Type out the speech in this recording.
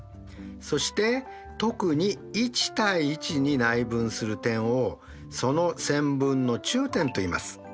そして特に１：１に内分する点をその線分の中点といいます。